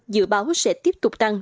dự báo sẽ tiếp tục tăng